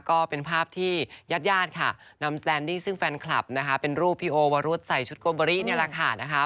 ก็เป็นภาพที่ยาดค่ะนำแสดงซึ่งแฟนคลับนะคะเป็นรูปพี่โอ้วรุฒใส่ชุดโกมบารี่เนี่ยแหละค่ะ